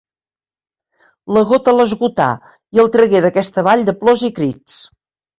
La gota l'esgotà, i el tragué d'aquesta vall de plors i crits;